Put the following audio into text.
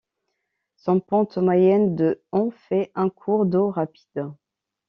Sa pente moyenne de en fait un cours d'eau rapide.